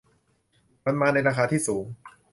มันมาในราคาที่สูง